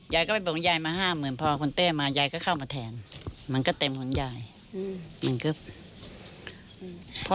ยายก็ไปบอกยายมาห้าหมื่นพอคุณเต้มายายก็เข้ามาแทนมันก็เต็มคุณยายอืมมันก็อืม